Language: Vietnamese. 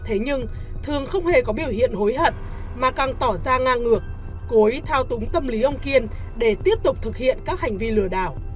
ông kiên không biểu hiện hối hận mà càng tỏ ra ngang ngược cối thao túng tâm lý ông kiên để tiếp tục thực hiện các hành vi lừa đảo